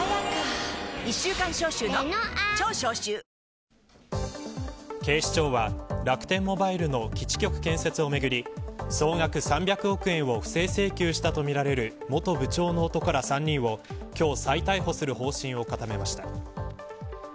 この行為により警視庁は楽天モバイルの基地局建設をめぐり総額３００億円を不正請求したとみられる元部長の男ら３人を今日、再逮捕する方針を固めました。